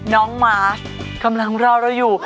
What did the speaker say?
น้องมาร์ชกำลังรอเราอยู่